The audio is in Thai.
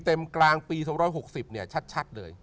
ทั้งปี๒๖๐เนี่ยชัดเลย